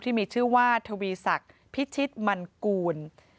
ที่มีชื่อว่าทวีศักดิ์พิชิตมันกูล